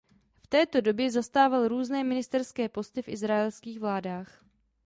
V této době zastával různé ministerské posty v izraelských vládách.